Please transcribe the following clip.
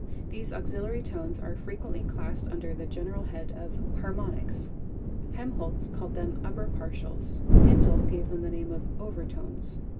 These auxiliary tones are frequently classed under the general head of "haromnics." Helm holtz called them "upper partials." Tyndall gave them the name of "overtones."